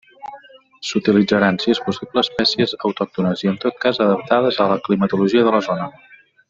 S'utilitzaran, si és possible, espècies autòctones, i, en tot cas, adaptades a la climatologia de la zona.